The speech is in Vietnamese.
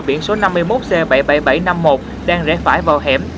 biển số năm mươi một c bảy mươi bảy nghìn bảy trăm năm mươi một đang rẽ phải vào hẻm